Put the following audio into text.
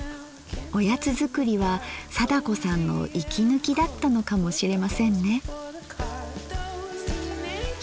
おやつ作りは貞子さんの息抜きだったのかもしれませんね。